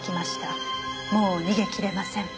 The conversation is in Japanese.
「もう逃げ切れません。